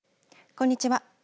こんにちは。